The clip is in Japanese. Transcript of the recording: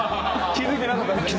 気付いてなかったんですね！？